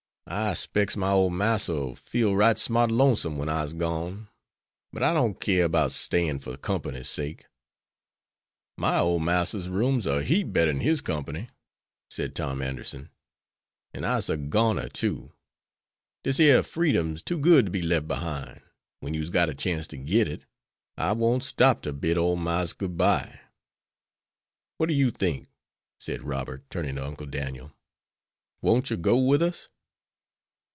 "I specs my ole Marster'll feel right smart lonesome when I'se gone, but I don't keer 'bout stayin' for company's sake." "My ole Marster's room's a heap better'n his company," said Tom Anderson, "an' I'se a goner too. Dis yer freedom's too good to be lef' behind, wen you's got a chance to git it. I won't stop to bid ole Marse good bye." "What do you think," said Robert, turning to Uncle Daniel; "won't you go with us?"